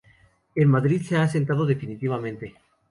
En Madrid se ha asentado definitivamente.